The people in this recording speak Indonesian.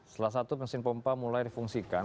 salah satu mesin pompa mulai difungsikan